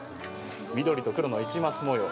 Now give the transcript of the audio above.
緑と黒の市松模様。